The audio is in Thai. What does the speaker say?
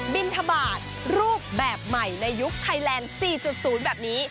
บินทบาทรูปแบบใหม่ในยุคไทยแลนด์๔๐แบบนี้